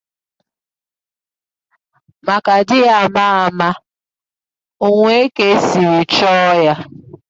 maka adịghị ama ama o nwee ka e siri chọọ ya